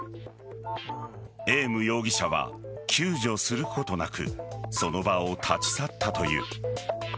エーム容疑者は救助することなくその場を立ち去ったという。